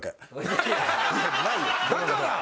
だから？